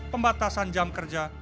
pembatasan jam kerja